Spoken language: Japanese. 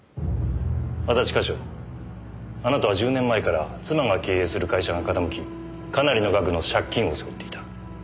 安達課長あなたは１０年前から妻が経営する会社が傾きかなりの額の借金を背負っていた。